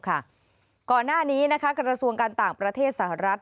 ก่อนหน้านี้กระทรวงการต่างประเทศสหรัฐ